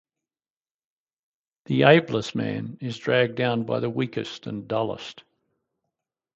The ablest man is dragged down by the weakest and dullest.